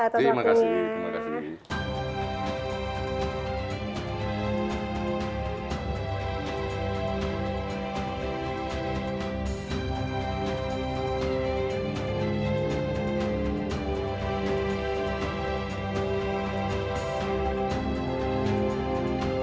terima kasih banyak pak atas waktunya